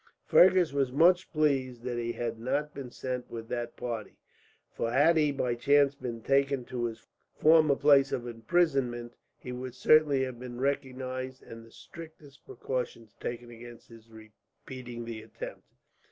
Fergus was much pleased that he had not been sent with that party, for had he by chance been taken to his former place of imprisonment, he would certainly have been recognized, and the strictest precautions taken against his repeating the attempt.